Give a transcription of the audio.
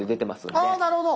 ああなるほど。